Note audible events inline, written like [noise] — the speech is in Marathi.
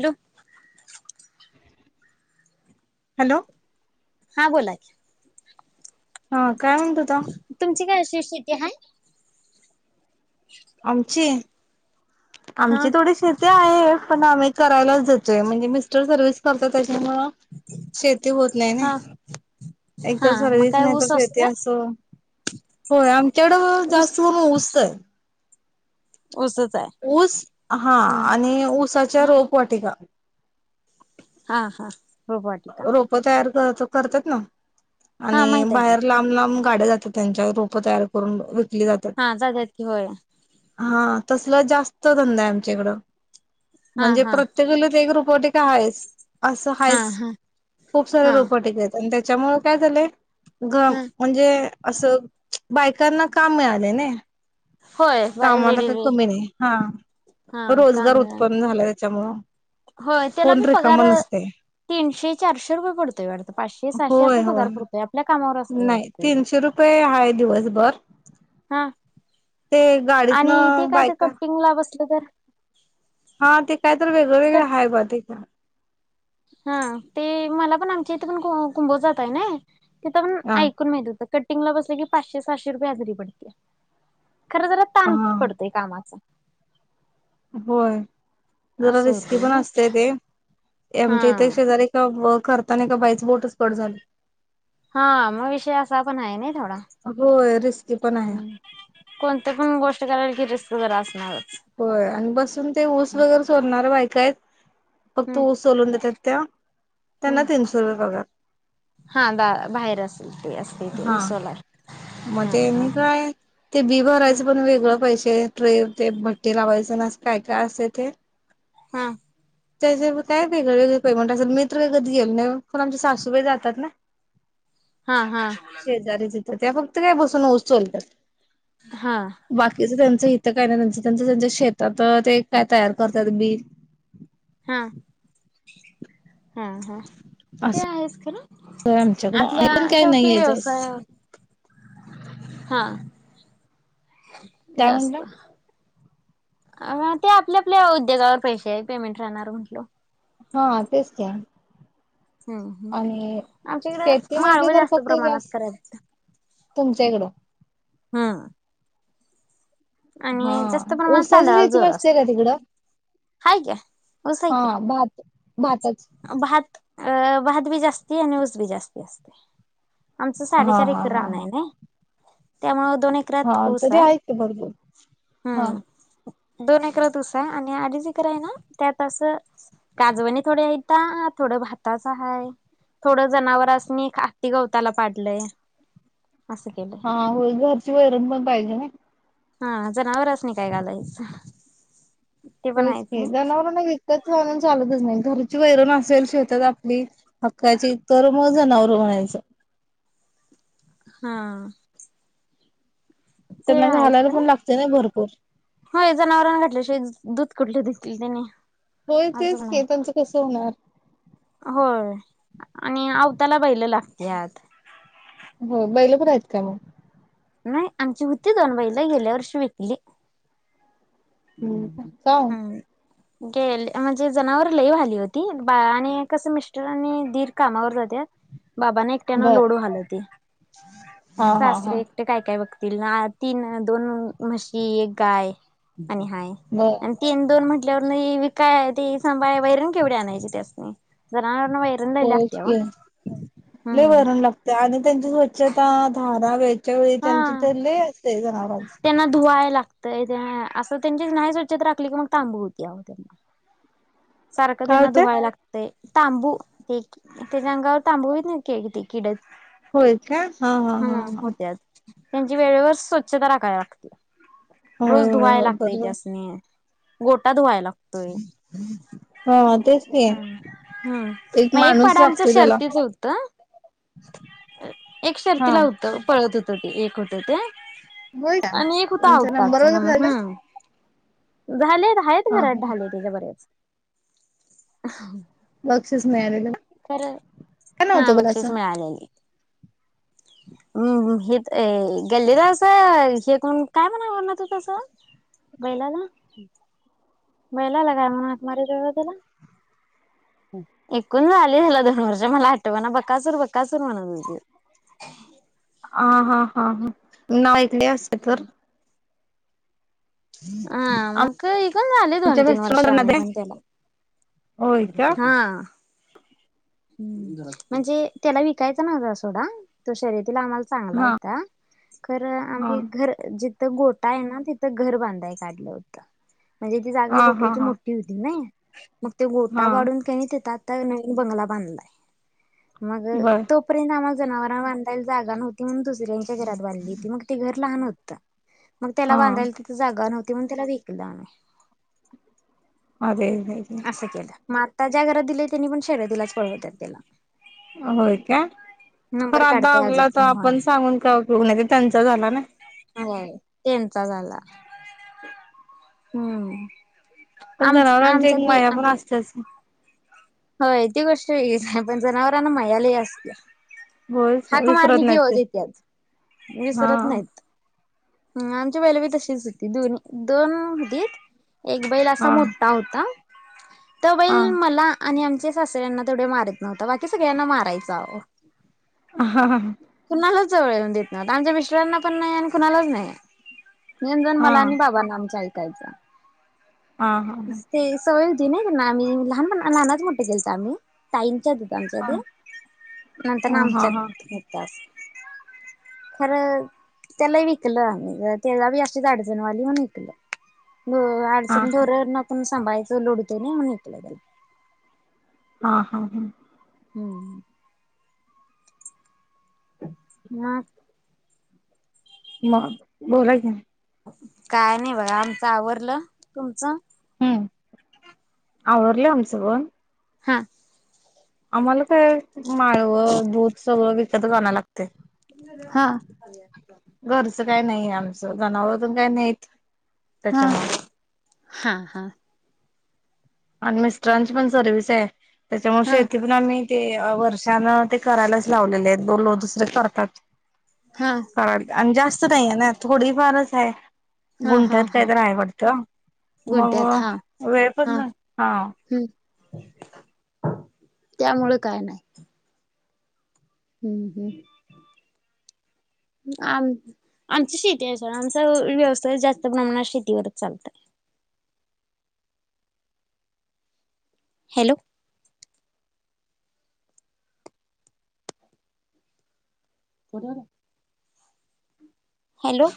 हॅलो! हॅलो! हा.. बोला की हा काय म्हणत होता? तुमची काय अशी शेती आहे? [inaudible] आमची हा आमची थोडी शेती आहे. पण आम्ही करायलाच देतोय. म्हणजे मिस्टर सर्विस करतात त्याच्यामूळ शेती होत नाय हा नाही. एक हा तर मग सर्विस काय नाही, तर ऊस शेती असतोय? अस होय. आमच्याकडं ऊस जास्त करून ऊस हाय. ऊसच आहे. ऊस हा आणि ऊसाच्या हा रोप वाटिका. हा हा रोपवाटिका. हो तयार करतात ना. हा आणि माहित आहे की बाहेर लांब लांब गाड्या जातात त्यांच्या रोपं तयार करून विकली जातात. हा जातात की. होय. हा तसला जास्त धंदा आहे आमच्या इकड हा म्हणजे हा प्रत तेक गल्लीत एक रोपवाटिका आहेच असं हा हायस. हा खूप सारे हा रोपवाटिका हायत आणि त्याच्यामुळे काय झालंय. घम हा म्हणजे असं बायकांना काम मिळालय नाही. होय बाय कामाला लेडीज काही कमी नाही. हा हा पण काम रोजगार मिळालं उत्पन्न झाला त्याच्यामुळं. होय. त्याला बी पगार तीनशे, चारशे रुपये पडतय वाढतं. पाचशे, सहाशे होय असं होय पगार पडतोय. आपल्या कामावर असते वाटत. ते हाय दिवसभर. हा ते आणि इथे गाडीतनं काय तर बायका कटिंग ला बसलं तर, हा ते काय तर वेगळं कट वेगळं आहे बा ते पण. हा. ते मला पण आमच्या इथे पण कुंभोजात आहे नाही. तिथं पण हा ऐकून माहित होत कट टिंगला बसले की पाचशे, सहाशे रुपये हजरी पडतिया. खर जरा हा. ते कामाच होय. जरा असं रिस्की होतय पण ना असतेय ते. ते आमच्या इथ हा शेजारी तव करताना एका बाईच बोटच कट झालत. हा. मग विषय असा पण आहे नाही थोडा. होय रिस्की पण आहे कोणते पण गोष्ट करायल कि रिस्क जरा असणारच. होय आणि बसून ते ऊस वगैरे सोलणार बायका हायत. फक्त हम्म ऊस सोलून देतात त्या त्यांना हम्म तीनशे रुपये पगार. हा. गा बाहेर असेल ते असते ते सोलाय. म ते तेनी काय ते बी भरायचं पण वेगळं पैसे ट्रे ते भट्टी लावायचं ना. काय काय असंत ते हा. त्याजे व्हय काय वेगळे वेगळे पेमेंट असत्यात. मि तर कधी गेल नाही वो पण आमच्या सासूबाई जातात ना. हा हा. शेजारी तीथ त्या फक्त काय बसून ऊस सोलतात. हा. बाकीचं त्यांचं हितं काय नाही. त्यांचं त्यांचं त्यांच्या शेतात ते काय तयार करतात बिल हा हा हा ते असं आहेच खरं. आमच्याकडं आपल्या पण काही शेवटी नाहीये जास्त व्यवसायावर हा काय जास्त म्हणला अं हां ते आपल्या आपल्या उद्योगावर पैसे पेमेंट राहणार म्हंटल. हां तेच की. हम्म हम्म. आणि शेती आमच्याकडं माळव म्हटलं तर जास्त फक्त प्रमाणात जास्त, करायचं. तुमच्या इकडं. हम्म. हा आणि जास्त प्रमाणात ऊसाची तांदळाला शेती जोर नसते असतो. का तिकडं आहे की, ऊस आहे हा की, भात भातच भात अ भात बी जास्ती आणि ऊस बी जास्ती असतंय. आमचं हा साडेचार हा एक्कर हा रान आहे नाही त्यामुळं दोन एक हां तरी आहे की भरपूर. हा हम्म दोन एक्करात ऊस आहे आणि अडीच एक्कर आहे ना त्यातं अस काजवणी थोड्या आहेता, थोडं भाताचं आहे. थोडं जनावरासनी हत्ती गवताला पाडलंय, असं केलंय. हां होय घरची वैरण पण पाहिजे, नाही? हां, जनावरासनी काय घालायचं? ते पण होयच आहेच ना की, जनावरांना विकतचं आणून चालतच नाही, घरची वैरण असेल शेतात आपली हक्काची तर मग जनावरं म्हणायचं. हां. ते त्यांना आहेच घालायला पण काय? लागते ना भरपूर हो, जनावरांना घातल्याशिवाय दूध कुठलं देतील त्यानी? होय तेच की, त्यांचं कसं होणार? होय आणि आवताला बैलं लागत्यात. हो बैलं पण आहेत काय मग? नाही, आमची हुती दोन बैलं, गेल्या वर्षी विकली. हम्म [unintelligible] गे म्हणजे जनावरं लई व्हाली ओ ती, बा आणि कसं मिस्टर आणि दीर कामावर जातात. बाबांना एकट्यान लोड व्हाल ते. हां हां हां. ते काय काय बघतील ना, तीन दोन म्हशी, एक गाय आणि हाय. [inaudible] [unintelligible] आणि तीन दोन म्हटल्यावरून विका ते सांभाळ वैरण केवढी आणायची त्यासनी? जनावरांना वैर होयच की लय वैरण लाग तय आणि त्यांची स्वच्छता, धारा वेळच्या वेळी हा त्यांचे ते लई असतंय जनावराचं. त्यांना धुवाय लागतंय, असं त्यांची नाही स्वच्छता राखली की मग तांब होती अहो त्यांना. सारखं काय त्यांना होतंय? धुवायला लागत तय तांबू ते तेच्या अंगावर तांबू होत नाहीत का ते किड होय काय? हां हां हां हा हां. होत्यात त्यांची वेळेवर स्वच्छता राखाय लागत्या, रोज होय होय धुवाय होय लागतं बरोबर त्यासनी. गोठा धुवायला लागतोय हां तेच की. हम्म हम्म, मग एक माणूस पाडा आमचं लागतो त्याला शर्तीच होतं एक हा. शर्तीला होत, पळत होतं ते, एक होतं ते. होय का आणि एक होता तुमचा आवताच नंबर वगैरे म्हणून झाला हम्म. झालेत, आहेत हा घरात हा ढाली त्याच्या बऱ्याच. बक्षीस मिळालेलं. खरं, काय नाव हां होतं मुलाच? बक्षीस मिळालेली. [unintelligible] बैलाला? बैलाला काय म्हणून हाक मारित्यात त्याला? एकूण झाले ह्याला दोन वर्ष मला आठवना, बकासूर-बकासूर म्हणा हा, हा, हा, हा. नाईकने असते तर हम्म, [unintelligible] दोन आमच्या तीन वर्ष आम्ही मिस्टर पण त्याला. होय का हा हम्म म्हणजे त्याला विकायच नव्हतं असं सोडा, तो शर्यतीला आम्हाला चांगला हा होता. खर हा आम्ही घर जिथं गोठा आहे ना तिथं घर बांधाय काढलं होतं, म्हणजे ती जागा हा हा गोठ्याची मो हा ठी होती ना, मग ते गोठा हा वाढून का नाही तिथं आता नवीन बंगला बांधलाय. मग बर. तोपर्यंत आम्हाला जनावरांना बांधायला जागा नव्हती म्हणून दुसऱ्यांच्या घरात बांधली. मग ते घर लहान होतं. मग त्याला हा बांधायला तिथं जागा नव्हती म्हणून त्याला वि कला. मागे ये [unintelligible] मग आता ज्या घरात दिले त्यांनी पण शर्यतीलाच पळवतात त्याला. होय का? तर नंबर आता काढतय अजून आपला तर पण आपण होय सांगून काय उपयोग नाही, तो त्यांचा झाला ना. होय, त्यांचा झाला. हम्म. पण आमच जनावरांची एक आमच्यात बी माया पण आमच्या असतेच. होय ती गोष्ट वेगळीच हाय, पण जनावरांना माया लई असतेय. होयच हाक विसरत मारली की नाहीत ओ ते देतायेत. हा विसरत नाहीत. हम्म आमचे बैल बी तशेच हायेत की, दो-दोन धीट एक बैल असा मोठ्ठा होता. तर आ मला आणि आमच्या सासऱ्यांना तेवढे मारत नव्हता, बाकी सगळ्यांना मारायचा ओ. हा. कुणालाच जवळ येऊ देत नव्हता. आमच्या मिस्टरांना पण नाही आणि कुणालाच नाही. येऊन जाऊन हा मला आणि बाबांना आमच्या ऐकायचा. आ हा. ते सवय होती नाही त्यांना, आम्ही लहानपण-लहानाच मोठ्ठ केळतं ना आम्ही. ताईंच्यात होतं आमच्या हा ते, नंतर ना आमच्यात होतं असं. खरं, त्यालाही विकलं आम्ही. त्याला बी अशी अडचण व्हय लागली म्हणून विकलं. हा हा अडचण ढोरांना कुणी सांभाळायचं. लोड येतो ना, म्हणून विकलं त्याला. हा हा हा हम्म. मग मग? बोलाय की काय नाही बघा आमचं आवरलं. तुमचं? हम्म. आवरलं आमचं पण हा आम्हाला काय? माळवं, दूध, सगळं विकतच आणाव लागतंय. हा. घरचं काय नाही आमचं, जनावर अजून काय नाहीत. हा. त्याच्यामुळं हा, हा. आणि मिस्टरांची पण सर्विस आहे. त्याच्यामुळे हा शेती पण आम्ही ते वर्षांनं ते करायलाच लावलेले आहेत दोन लोक दुसरे करतात हा आणि जास्त नाहीये ना थोडीफारच आहे. हा गुंटात हा काही हा तर आहे, वाटतं मग गुंट्यात हा वेळ पण हा झालता हा. हम्म त्यामुळे काय नाही. हम्म हम्म आम आमची शेती आहे सर आमचा व्यवसाय जास्त प्रमाणात शेतीवरच चालतय. Hello [inaudible] hello